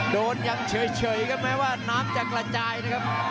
ยังเฉยครับแม้ว่าน้ำจะกระจายนะครับ